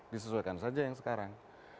disesuaikan saja yang sekarang